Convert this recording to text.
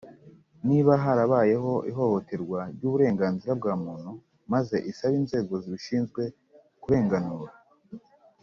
niba harabayeho ihohoterwa ry uburenganzira bwa Muntu maze isabe inzego zibishinzwe kurenganura